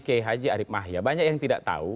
kiai haji arief mahya banyak yang tidak tahu